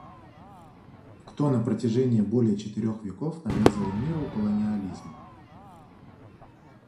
Кто на протяжении более четырех веков навязывал миру колониализм?